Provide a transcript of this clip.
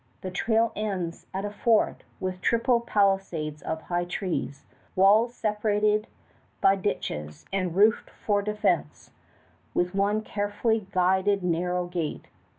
The trail ends at a fort with triple palisades of high trees, walls separated by ditches and roofed for defense, with one carefully guarded narrow gate.